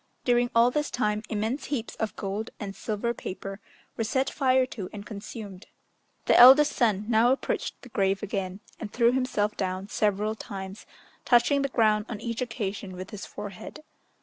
During all this time, immense heaps of gold and silver paper were set fire to and consumed. The eldest son now approached the grave again, and threw himself down several times, touching the ground on each occasion with his forehead.